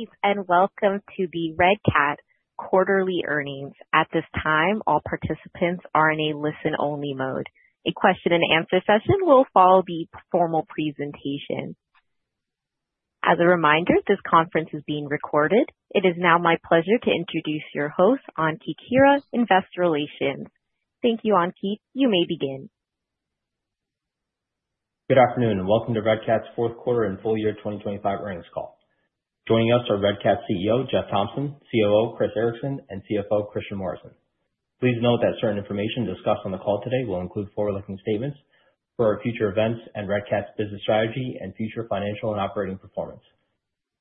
Good evening, and welcome to the Red Cat quarterly earnings. At this time, all participants are in a listen-only mode. A question-and-answer session will follow the formal presentation. As a reminder, this conference is being recorded. It is now my pleasure to introduce your host, Ankit Khera, Investor Relations. Thank you, Ankit. You may begin. Good afternoon and welcome to Red Cat's fourth quarter and full year 2025 earnings call. Joining us are Red Cat's CEO, Jeff Thompson, COO, Chris Ericson, and CFO, Christian Morrison. Please note that certain information discussed on the call today will include forward-looking statements for our future events and Red Cat's business strategy and future financial and operating performance.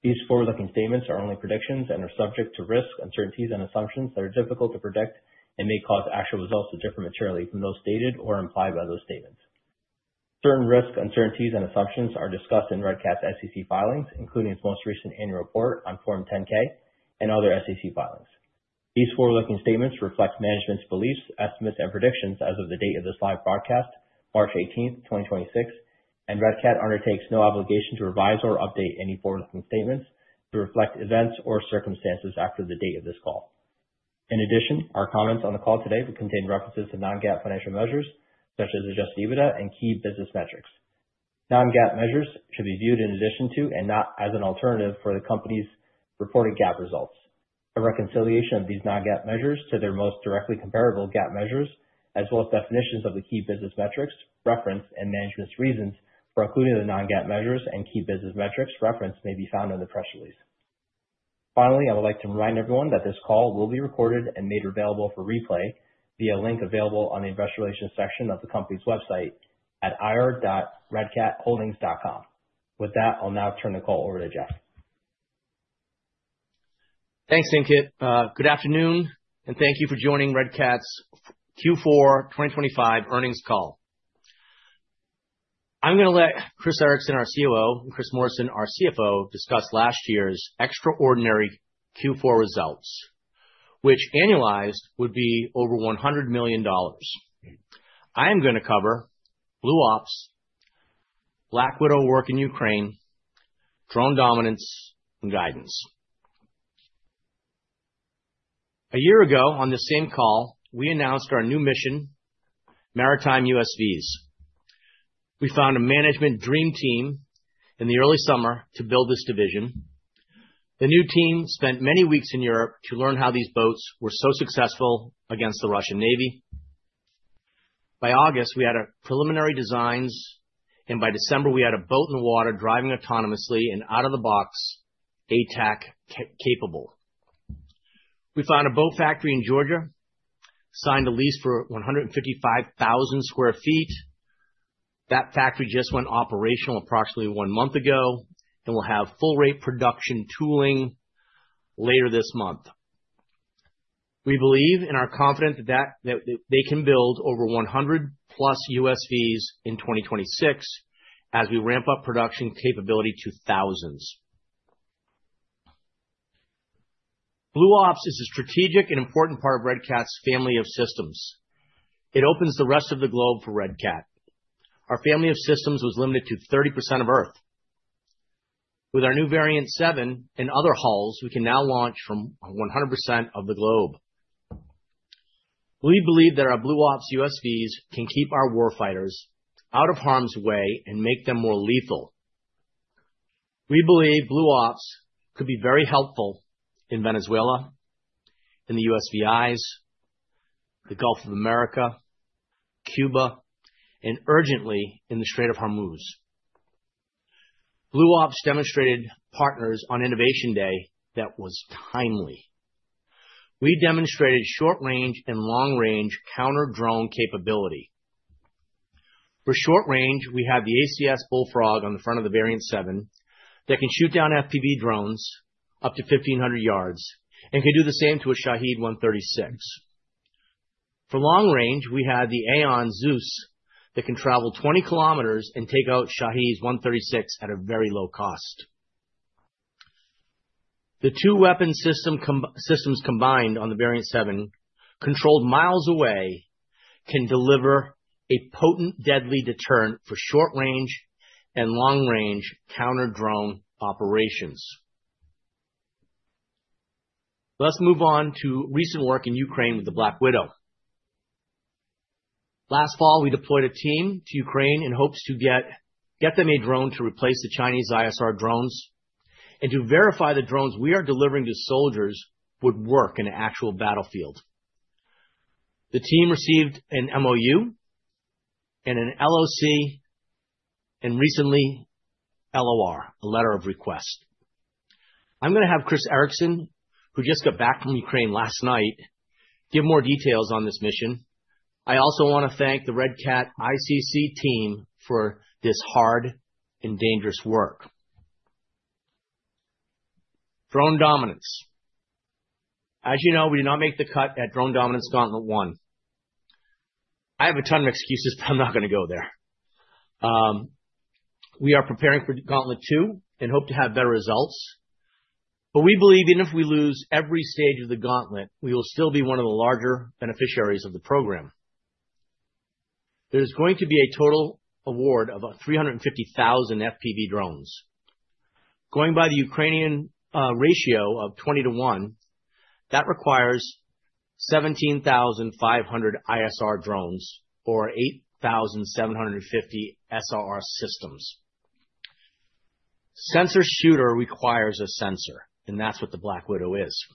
These forward-looking statements are only predictions and are subject to risks, uncertainties, and assumptions that are difficult to predict and may cause actual results to differ materially from those stated or implied by those statements. Certain risks, uncertainties, and assumptions are discussed in Red Cat's SEC filings, including its most recent annual report on Form 10-K and other SEC filings. These forward-looking statements reflect management's beliefs, estimates, and predictions as of the date of this live broadcast, March 18, 2026, and Red Cat undertakes no obligation to revise or update any forward-looking statements to reflect events or circumstances after the date of this call. In addition, our comments on the call today will contain references to non-GAAP financial measures such as adjusted EBITDA and key business metrics. Non-GAAP measures should be viewed in addition to and not as an alternative for the company's reported GAAP results. A reconciliation of these non-GAAP measures to their most directly comparable GAAP measures, as well as definitions of the key business metrics referenced and management's reasons for including the non-GAAP measures and key business metrics referenced, may be found in the press release. Finally, I would like to remind everyone that this call will be recorded and made available for replay via a link available on the investor relations section of the company's website at ir.redcat.io. With that, I'll now turn the call over to Jeff. Thanks, Ankit. Good afternoon, and thank you for joining Red Cat's Q4 2025 earnings call. I'm gonna let Chris Ericson, our COO, and Christian Morrison, our CFO, discuss last year's extraordinary Q4 results, which annualized would be over $100 million. I am gonna cover Blue Ops, Black Widow work in Ukraine, Drone Dominance, and guidance. A year ago, on this same call, we announced our new mission, Maritime USVs. We found a management dream team in the early summer to build this division. The new team spent many weeks in Europe to learn how these boats were so successful against the Russian Navy. By August, we had our preliminary designs, and by December, we had a boat in the water driving autonomously and out-of-the-box ATAK capable. We found a boat factory in Georgia, signed a lease for 155,000 sq ft. That factory just went operational approximately one month ago and will have full rate production tooling later this month. We believe and are confident that they can build over 100+ USVs in 2026 as we ramp up production capability to thousands. Blue Ops is a strategic and important part of Red Cat's family of systems. It opens the rest of the globe for Red Cat. Our family of systems was limited to 30% of Earth. With our new Variant 7 and other hulls, we can now launch from 100% of the globe. We believe that our Blue Ops USVs can keep our warfighters out of harm's way and make them more lethal. We believe Blue Ops could be very helpful in Venezuela, in the U.S. Virgin Islands, the Gulf of America, Cuba, and urgently in the Strait of Hormuz. Blue Ops demonstrated partners on Innovation Day that was timely. We demonstrated short-range and long-range counter-drone capability. For short range, we have the ACS Bullfrog on the front of the Variant 7 that can shoot down FPV drones up to 1,500 yards and can do the same to a Shahed-136. For long range, we have the Aion Zeus that can travel 20 kilometers and take out Shahed-136s at a very low cost. The two weapon system combi-systems combined on the Varian 7, controlled miles away, can deliver a potent, deadly deterrent for short-range and long-range counter-drone operations. Let's move on to recent work in Ukraine with the Black Widow. Last fall, we deployed a team to Ukraine in hopes to get them a drone to replace the Chinese ISR drones and to verify the drones we are delivering to soldiers would work in an actual battlefield. The team received an MOU and an LOC and recently LOR, a letter of request. I'm gonna have Chris Ericson, who just got back from Ukraine last night, give more details on this mission. I also wanna thank the Red Cat ICC team for this hard and dangerous work. Drone Dominance. As you know, we did not make the cut at Drone Dominance Gauntlet One. I have a ton of excuses, but I'm not gonna go there. We are preparing for Gauntlet Two and hope to have better results. We believe even if we lose every stage of the gauntlet, we will still be one of the larger beneficiaries of the program. There's going to be a total award of 350,000 FPV drones. Going by the Ukrainian ratio of 20 to one, that requires 17,500 ISR drones or 8,750 SRR systems. Sensor shooter requires a sensor, and that's what the Black Widow is.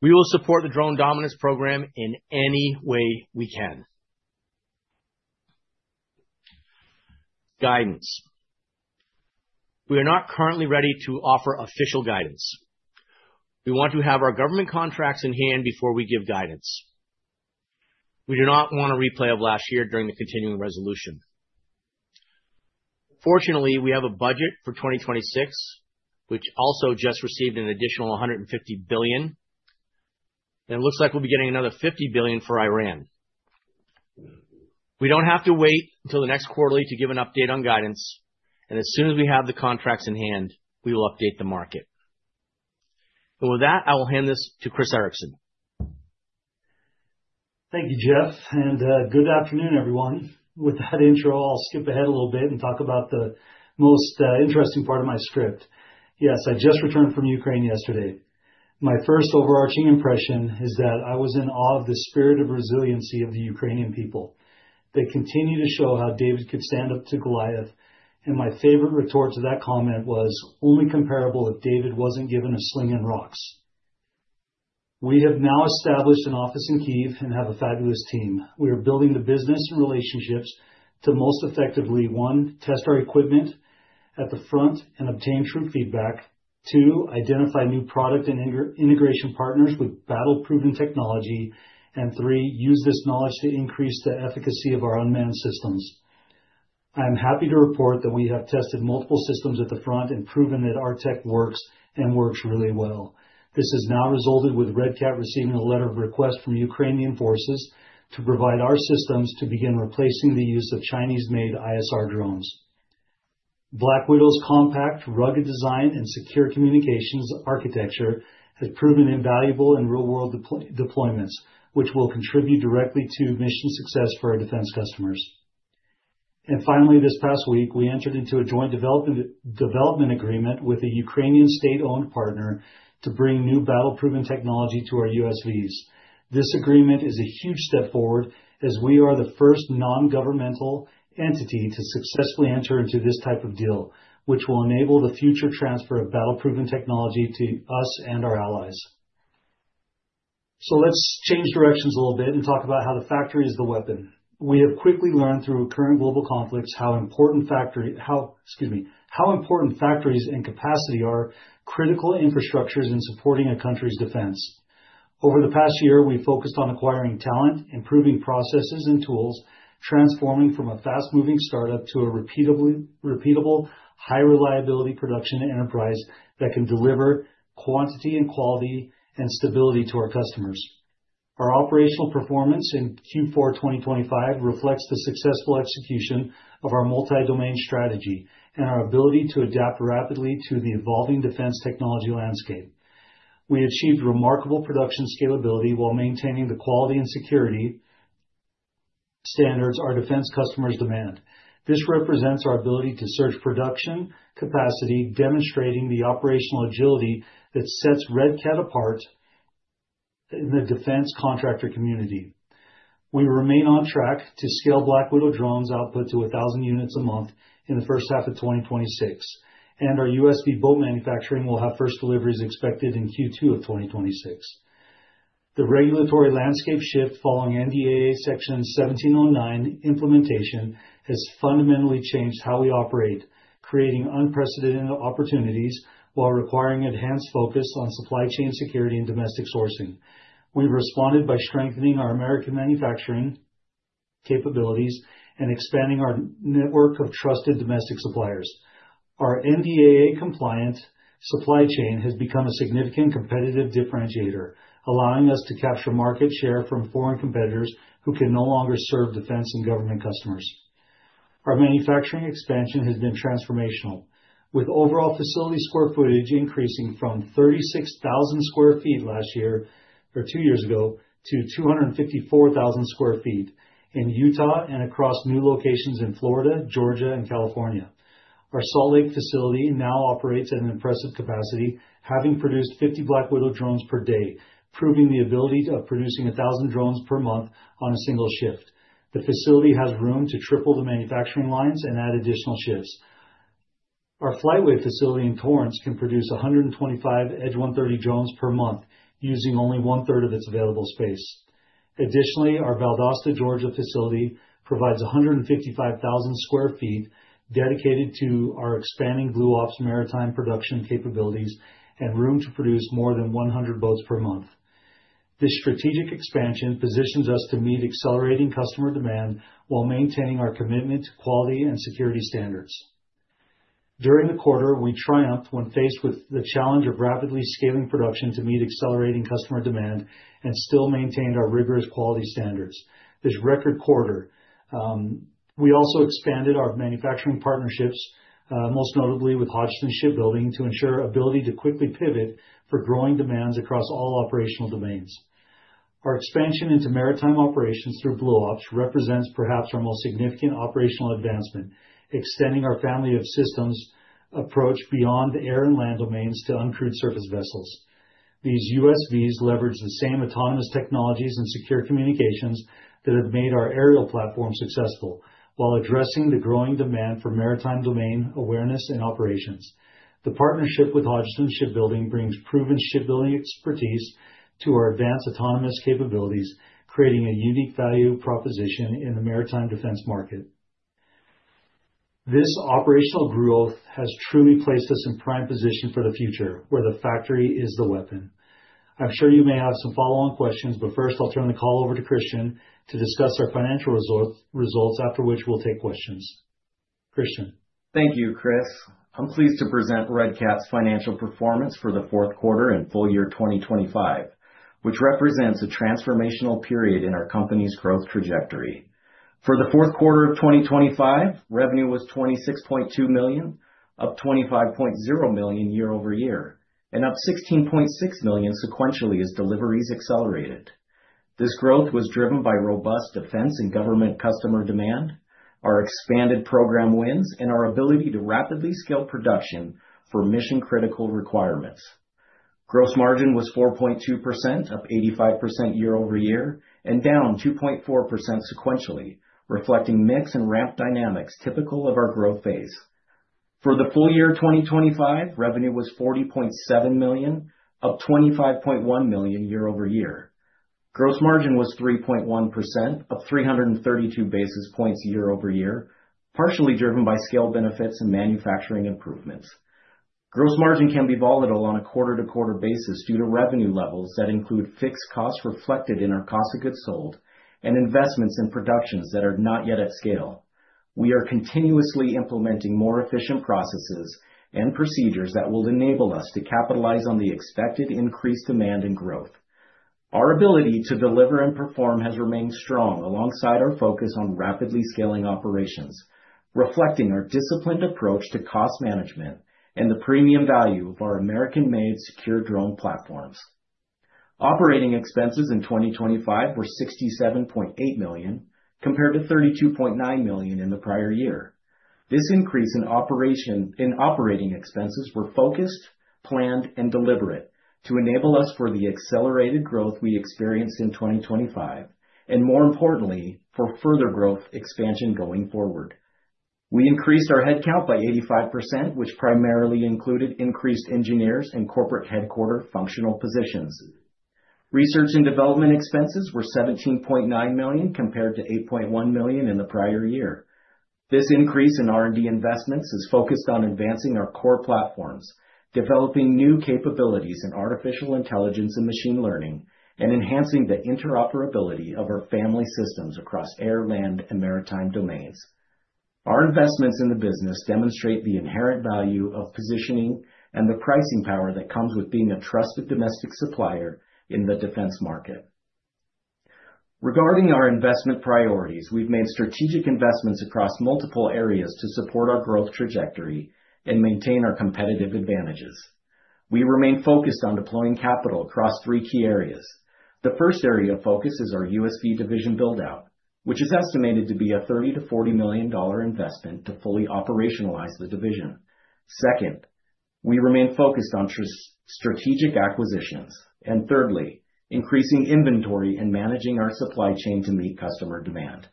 We will support the Drone Dominance program in any way we can. Guidance. We are not currently ready to offer official guidance. We want to have our government contracts in hand before we give guidance. We do not want a replay of last year during the continuing resolution. Fortunately, we have a budget for 2026, which also just received an additional $150 billion. It looks like we'll be getting another $50 billion for Iran. We don't have to wait till the next quarterly to give an update on guidance, and as soon as we have the contracts in hand, we will update the market. With that, I will hand this to Chris Ericson. Thank you, Jeff, and good afternoon, everyone. With that intro, I'll skip ahead a little bit and talk about the most interesting part of my script. Yes, I just returned from Ukraine yesterday. My first overarching impression is that I was in awe of the spirit of resiliency of the Ukrainian people. They continue to show how David could stand up to Goliath. My favorite retort to that comment was only comparable if David wasn't given a sling and rocks. We have now established an office in Kyiv and have a fabulous team. We are building the business and relationships to most effectively, one, test our equipment at the front and obtain true feedback. Two, identify new product and integration partners with battle-proven technology. Three, use this knowledge to increase the efficacy of our unmanned systems. I'm happy to report that we have tested multiple systems at the front and proven that our tech works and works really well. This has now resulted in Red Cat receiving a letter of request from Ukrainian forces to provide our systems to begin replacing the use of Chinese-made ISR drones. Black Widow's compact, rugged design, and secure communications architecture has proven invaluable in real-world deployments, which will contribute directly to mission success for our defense customers. Finally, this past week, we entered into a joint development agreement with a Ukrainian state-owned partner to bring new battle-proven technology to our USVs. This agreement is a huge step forward as we are the first non-governmental entity to successfully enter into this type of deal, which will enable the future transfer of battle-proven technology to us and our allies. Let's change directions a little bit and talk about how the factory is the weapon. We have quickly learned through current global conflicts how important factories and capacity are critical infrastructures in supporting a country's defense. Over the past year, we focused on acquiring talent, improving processes and tools, transforming from a fast-moving start-up to a repeatable high reliability production enterprise that can deliver quantity and quality and stability to our customers. Our operational performance in Q4 2025 reflects the successful execution of our multi-domain strategy and our ability to adapt rapidly to the evolving defense technology landscape. We achieved remarkable production scalability while maintaining the quality and security standards our defense customers demand. This represents our ability to surge production capacity, demonstrating the operational agility that sets Red Cat apart in the defense contractor community. We remain on track to scale Black Widow drones output to 1,000 units a month in the first half of 2026, and our USV boat manufacturing will have first deliveries expected in Q2 of 2026. The regulatory landscape shift following NDAA Section 1709 implementation has fundamentally changed how we operate, creating unprecedented opportunities while requiring enhanced focus on supply chain security and domestic sourcing. We responded by strengthening our American manufacturing capabilities and expanding our network of trusted domestic suppliers. Our NDAA-compliant supply chain has become a significant competitive differentiator, allowing us to capture market share from foreign competitors who can no longer serve defense and government customers. Our manufacturing expansion has been transformational, with overall facility square footage increasing from 36,000 sq ft last year or two years ago to 254,000 sq ft in Utah and across new locations in Florida, Georgia, and California. Our Salt Lake facility now operates at an impressive capacity, having produced 50 Black Widow drones per day, proving the ability of producing 1,000 drones per month on a single shift. The facility has room to triple the manufacturing lines and add additional shifts. Our FlightWave facility in Torrance can produce 125 Edge 130 drones per month using only one-third of its available space. Additionally, our Valdosta, Georgia, facility provides 155,000 sq ft dedicated to our expanding Blue Ops maritime production capabilities and room to produce more than 100 boats per month. This strategic expansion positions us to meet accelerating customer demand while maintaining our commitment to quality and security standards. During the quarter, we triumphed when faced with the challenge of rapidly scaling production to meet accelerating customer demand and still maintained our rigorous quality standards. This record quarter, we also expanded our manufacturing partnerships, most notably with Hodgdon Shipbuilding, to ensure ability to quickly pivot for growing demands across all operational domains. Our expansion into maritime operations through Blue Ops represents perhaps our most significant operational advancement, extending our family of systems approach beyond air and land domains to uncrewed surface vessels. These USVs leverage the same autonomous technologies and secure communications that have made our aerial platform successful while addressing the growing demand for maritime domain awareness and operations. The partnership with Hodgson Shipbuilding brings proven shipbuilding expertise to our advanced autonomous capabilities, creating a unique value proposition in the maritime defense market. This operational growth has truly placed us in prime position for the future, where the factory is the weapon. I'm sure you may have some follow-on questions, but first I'll turn the call over to Christian to discuss our financial results, after which we'll take questions. Christian. Thank you, Chris. I'm pleased to present Red Cat's financial performance for the fourth quarter and full year 2025, which represents a transformational period in our company's growth trajectory. For the fourth quarter of 2025, revenue was $26.2 million, up $25.0 million year-over-year, and up $16.6 million sequentially as deliveries accelerated. This growth was driven by robust defense and government customer demand, our expanded program wins, and our ability to rapidly scale production for mission-critical requirements. Gross margin was 4.2%, up 85% year-over-year and down 2.4% sequentially, reflecting mix and ramp dynamics typical of our growth phase. For the full year 2025, revenue was $40.7 million, up $25.1 million year-over-year. Gross margin was 3.1%, up 332 basis points year-over-year, partially driven by scale benefits and manufacturing improvements. Gross margin can be volatile on a quarter-to-quarter basis due to revenue levels that include fixed costs reflected in our cost of goods sold and investments in productions that are not yet at scale. We are continuously implementing more efficient processes and procedures that will enable us to capitalize on the expected increased demand and growth. Our ability to deliver and perform has remained strong alongside our focus on rapidly scaling operations, reflecting our disciplined approach to cost management and the premium value of our American-made secure drone platforms. Operating expenses in 2025 were $67.8 million, compared to $32.9 million in the prior year. This increase in operating expenses were focused, planned, and deliberate to enable us for the accelerated growth we experienced in 2025, and more importantly, for further growth expansion going forward. We increased our headcount by 85%, which primarily included increased engineers and corporate headquarters functional positions. Research and development expenses were $17.9 million compared to $8.1 million in the prior year. This increase in R&D investments is focused on advancing our core platforms, developing new capabilities in artificial intelligence and machine learning, and enhancing the interoperability of our family systems across air, land, and maritime domains. Our investments in the business demonstrate the inherent value of positioning and the pricing power that comes with being a trusted domestic supplier in the defense market. Regarding our investment priorities, we've made strategic investments across multiple areas to support our growth trajectory and maintain our competitive advantages. We remain focused on deploying capital across three key areas. The first area of focus is our USV division build-out, which is estimated to be a $30-$40 million investment to fully operationalize the division. Second, we remain focused on true strategic acquisitions and thirdly, increasing inventory and managing our supply chain to meet customer demand.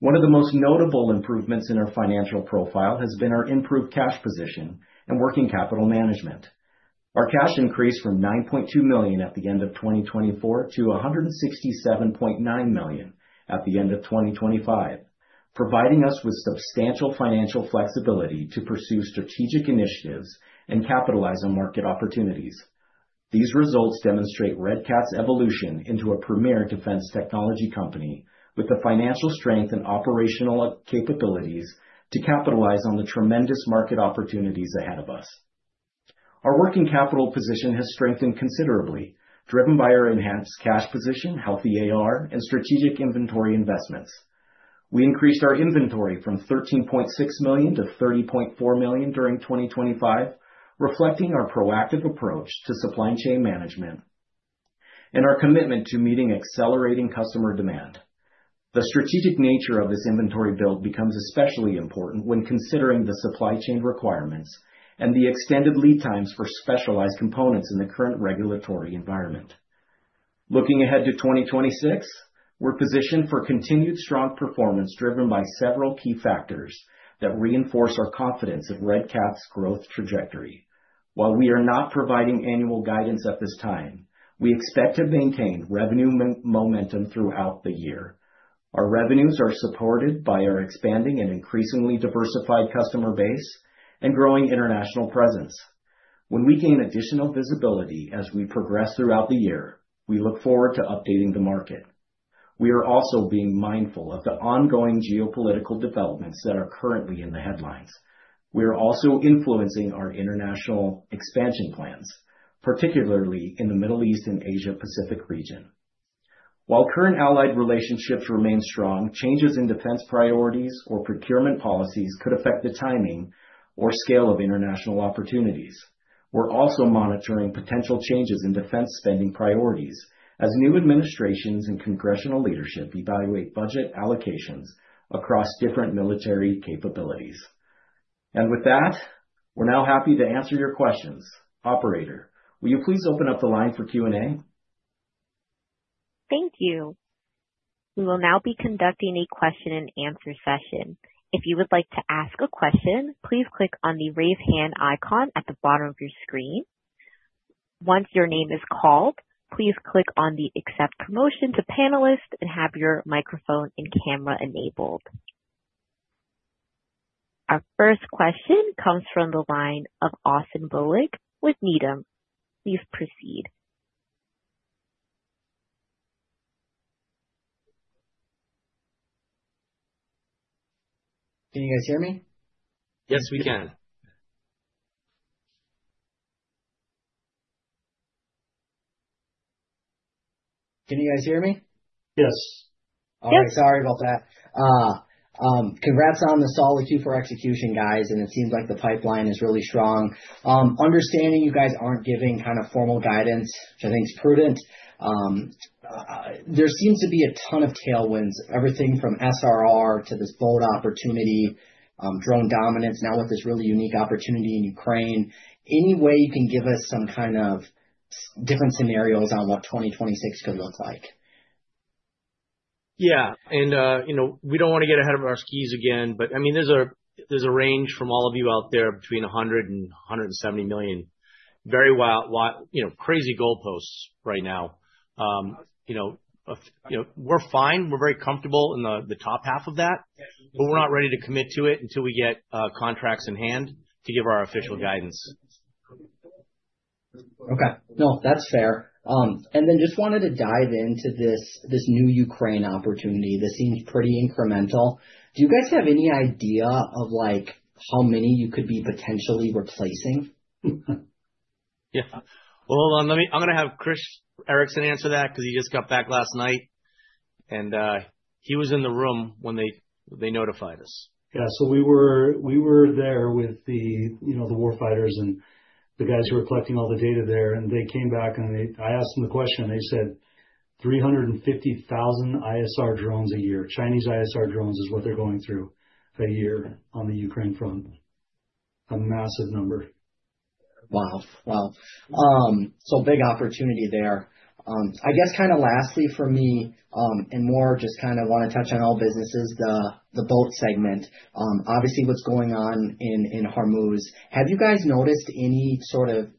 One of the most notable improvements in our financial profile has been our improved cash position and working capital management. Our cash increased from $9.2 million at the end of 2024 to $167.9 million at the end of 2025, providing us with substantial financial flexibility to pursue strategic initiatives and capitalize on market opportunities. These results demonstrate Red Cat's evolution into a premier defense technology company with the financial strength and operational capabilities to capitalize on the tremendous market opportunities ahead of us. Our working capital position has strengthened considerably, driven by our enhanced cash position, healthy AR, and strategic inventory investments. We increased our inventory from $13.6 million to $30.4 million during 2025, reflecting our proactive approach to supply chain management and our commitment to meeting accelerating customer demand. The strategic nature of this inventory build becomes especially important when considering the supply chain requirements and the extended lead times for specialized components in the current regulatory environment. Looking ahead to 2026, we're positioned for continued strong performance driven by several key factors that reinforce our confidence of Red Cat's growth trajectory. While we are not providing annual guidance at this time, we expect to maintain revenue momentum throughout the year. Our revenues are supported by our expanding and increasingly diversified customer base and growing international presence. When we gain additional visibility as we progress throughout the year, we look forward to updating the market. We are also being mindful of the ongoing geopolitical developments that are currently in the headlines. We are also influencing our international expansion plans, particularly in the Middle East and Asia Pacific region. While current allied relationships remain strong, changes in defense priorities or procurement policies could affect the timing or scale of international opportunities. We're also monitoring potential changes in defense spending priorities as new administrations and congressional leadership evaluate budget allocations across different military capabilities. With that, we're now happy to answer your questions. Operator, will you please open up the line for Q&A? Thank you. We will now be conducting a question and answer session. If you would like to ask a question, please click on the Raise Hand icon at the bottom of your screen. Once your name is called, please click on the Accept Promotion to Panelist and have your microphone and camera enabled. Our first question comes from the line of Austin Moeller with Needham. Please proceed. Can you guys hear me? Yes, we can. Can you guys hear me? Yes. Yes. All right. Sorry about that. Congrats on the solid Q4 execution, guys. It seems like the pipeline is really strong. There seems to be a ton of tailwinds, everything from SRR to this bold opportunity, Drone Dominance now with this really unique opportunity in Ukraine. Any way you can give us some kind of different scenarios on what 2026 could look like? Yeah. We don't wanna get ahead of our skis again, but I mean, there's a range from all of you out there between $100 million and $170 million. Very wild, you know, crazy goalposts right now. You know, we're fine. We're very comfortable in the top half of that. But we're not ready to commit to it until we get contracts in hand to give our official guidance. Okay. No, that's fair. Just wanted to dive into this new Ukraine opportunity that seems pretty incremental. Do you guys have any idea of, like, how many you could be potentially replacing? Yeah. Well, hold on. I'm gonna have Chris Ericson answer that because he just got back last night and he was in the room when they notified us. Yeah, we were there with the, you know, the war fighters and the guys who were collecting all the data there, and they came back, and I asked them the question. They said 350,000 ISR drones a year. Chinese ISR drones is what they're going through a year on the Ukraine front. A massive number. Wow. Big opportunity there. I guess kinda lastly for me, and more just kinda wanna touch on all businesses, the boat segment. Obviously what's going on in Hormuz. Have you guys noticed any sort of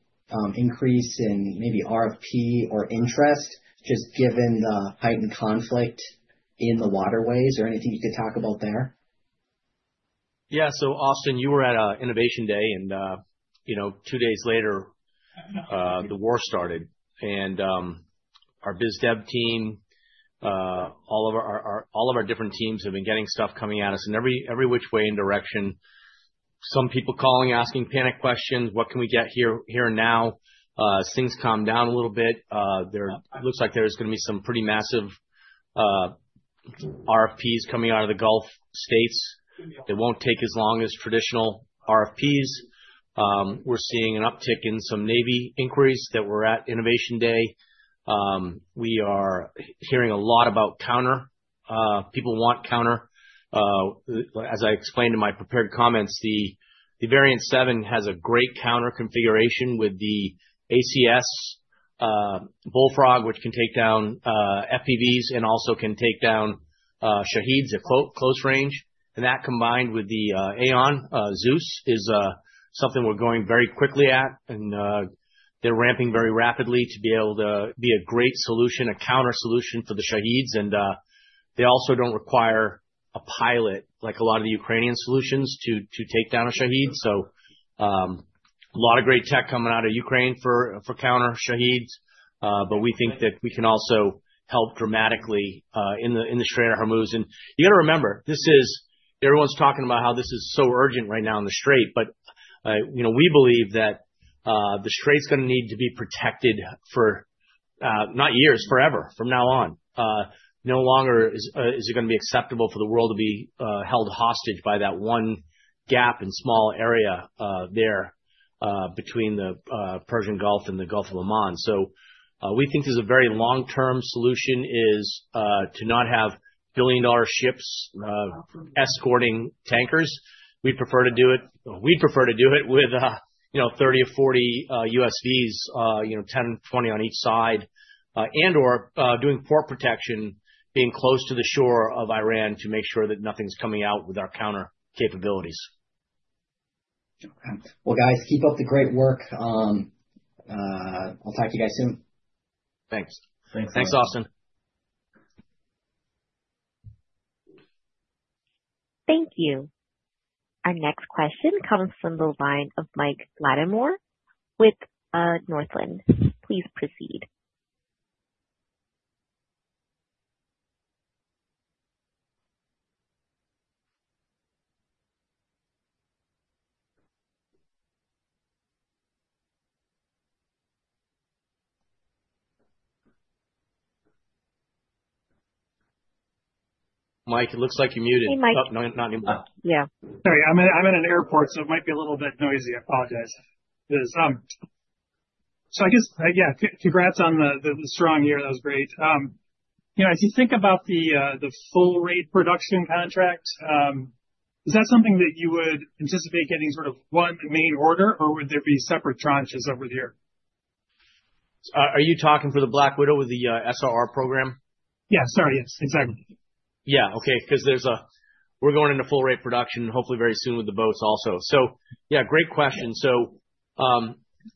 increase in maybe RFP or interest, just given the heightened conflict in the waterways or anything you could talk about there? Yeah. Austin, you were at Innovation Day, you know, two days later, the war started. Our biz dev team, all of our different teams have been getting stuff coming at us in every which way and direction. Some people calling, asking panic questions, "What can we get here and now?" As things calm down a little bit, there looks like there's gonna be some pretty massive RFPs coming out of the Gulf States. It won't take as long as traditional RFPs. We're seeing an uptick in some Navy inquiries that were at Innovation Day. We are hearing a lot about counter. People want counter. As I explained in my prepared comments, the Variant 7 has a great counter configuration with the ACS Bullfrog, which can take down FPVs and also can take down Shaheds at close range. That combined with the Aeon Zeus is something we're going very quickly at. They're ramping very rapidly to be able to be a great solution, a counter solution for the Shaheds. They also don't require a pilot like a lot of the Ukrainian solutions to take down a Shahed. A lot of great tech coming out of Ukraine for counter Shaheds. We think that we can also help dramatically in the Strait of Hormuz. You gotta remember, this is. Everyone's talking about how this is so urgent right now in the Strait, but you know, we believe that the Strait's gonna need to be protected for not years, forever, from now on. No longer is it gonna be acceptable for the world to be held hostage by that one gap and small area there between the Persian Gulf and the Gulf of Oman. We think there's a very long-term solution is to not have billion-dollar ships escorting tankers. We'd prefer to do it with you know, 30 or 40 USVs, you know, 10, 20 on each side, and/or doing port protection, being close to the shore of Iran to make sure that nothing's coming out with our counter capabilities. Okay. Well, guys, keep up the great work. I'll talk to you guys soon. Thanks. Thanks. Thanks, Austin. Thank you. Our next question comes from the line of Mike Latimore with Northland. Please proceed. Mike, it looks like you're muted. Hey, Mike. Oh, no, not anymore. Yeah. Sorry. I'm in an airport, so it might be a little bit noisy. I apologize. Yes, I guess, yeah, congrats on the strong year. That was great. You know, as you think about the full rate production contract, is that something that you would anticipate getting sort of one main order, or would there be separate tranches over the year? Are you talking for the Black Widow with the SRR program? Yeah. Sorry. Yes, exactly. Yeah. Okay. 'Cause we're going into full rate production, hopefully very soon with the boats also. Yeah, great question.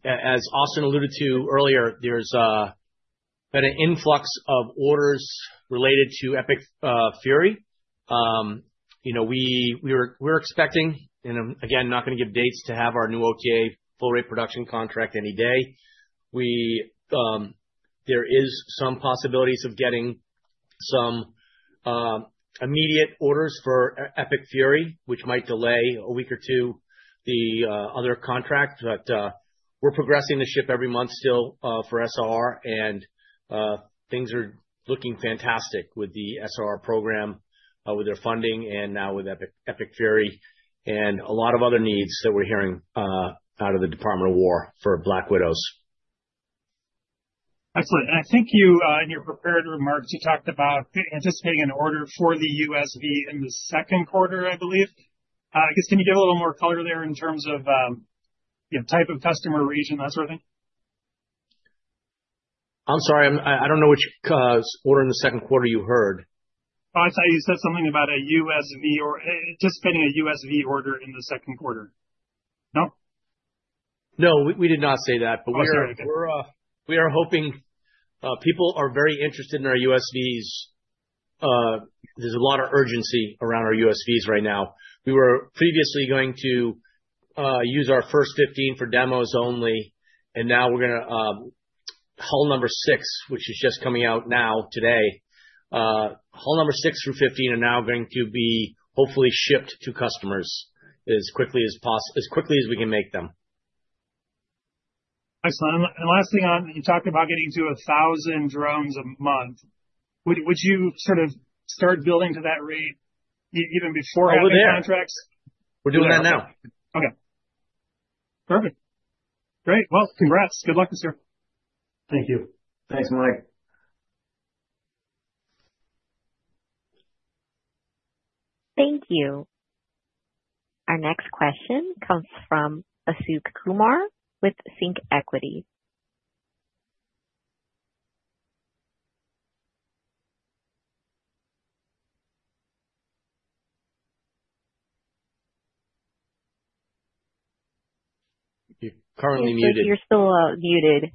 As Austin alluded to earlier, there's been an influx of orders related to Epic Fury. You know, we're expecting, you know, again, not gonna give dates to have our new OTA full rate production contract any day. There is some possibilities of getting some immediate orders for Epic Fury, which might delay a week or two the other contract. We're progressing the ship every month still for SRR and things are looking fantastic with the SRR program with their funding and now with Epic Fury and a lot of other needs that we're hearing out of the Department of Defense for Black Widows. Excellent. I think you in your prepared remarks you talked about anticipating an order for the USV in the second quarter, I believe. I guess can you give a little more color there in terms of, you know, type of customer region, that sort of thing? I'm sorry. I don't know which order in the second quarter you heard. Oh, I thought you said something about a USV or anticipating a USV order in the second quarter. No? No, we did not say that. Oh, sorry. Okay. We are hoping people are very interested in our USVs. There's a lot of urgency around our USVs right now. We were previously going to use our first 15 for demos only, and now we're gonna hull number 6, which is just coming out now today. Hull number 6 through 15 are now going to be hopefully shipped to customers as quickly as we can make them. Excellent. Last thing on, you talked about getting to 1,000 drones a month. Would you sort of start building to that rate even before having contracts? Oh, we are. We're doing that now. Okay. Perfect. Great. Well, congrats. Good luck, mister. Thank you. Thanks, Mike. Thank you. Our next question comes from Ashok Kumar with ThinkEquity. You're currently muted. Ashok, you're still muted.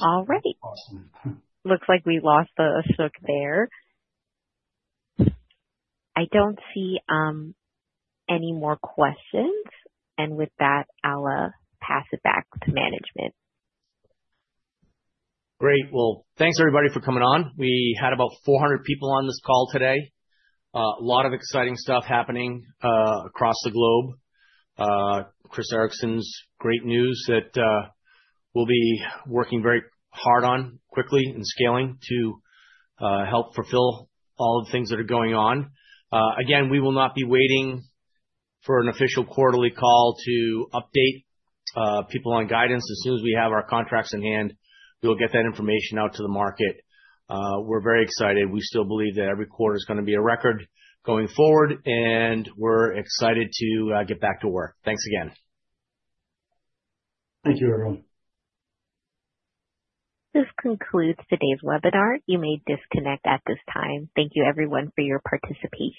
All right. Awesome. Looks like we lost the Ashok there. I don't see any more questions. With that, I'll pass it back to management. Great. Well, thanks everybody for coming on. We had about 400 people on this call today. A lot of exciting stuff happening across the globe. Chris Ericson's great news that we'll be working very hard on quickly and scaling to help fulfill all the things that are going on. Again, we will not be waiting for an official quarterly call to update people on guidance. As soon as we have our contracts in hand, we'll get that information out to the market. We're very excited. We still believe that every quarter is gonna be a record going forward, and we're excited to get back to work. Thanks again. Thank you, everyone. This concludes today's webinar. You may disconnect at this time. Thank you, everyone, for your participation.